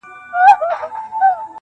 له هر لوري یې کوله صحبتونه -